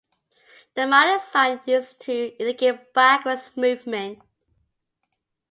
A minus sign is used to indicate backwards movement.